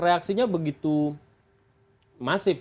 reaksinya begitu masif